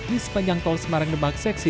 di sepanjang tol semarang demak seksi